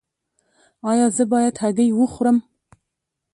ایا زه باید هګۍ وخورم؟